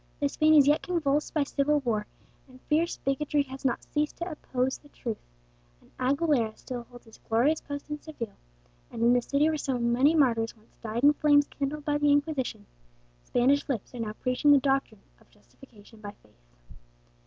Though Spain is yet convulsed by civil war, and fierce bigotry has not ceased to oppose the truth, an Aguilera still holds his glorious post in Seville; and in the city where so many martyrs once died in flames kindled by the Inquisition, Spanish lips are now preaching the doctrine of justification by faith.